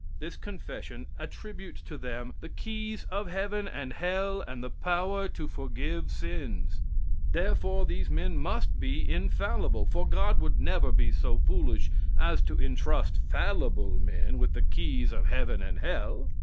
This confession attributes to them the keys of heaven and hell and the power to forgive sins. [Here extracts are read.] Therefore these men must be infallible, for God would never be so foolish as to entrust fallible men with the keys of heaven and hell.